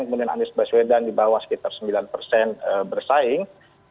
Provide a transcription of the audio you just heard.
kemudian andi speswedan di bawah sekitar sembilan persen bersaing